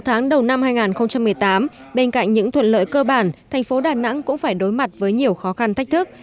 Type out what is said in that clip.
sáu tháng đầu năm hai nghìn một mươi tám bên cạnh những thuận lợi cơ bản thành phố đà nẵng cũng phải đối mặt với nhiều khó khăn thách thức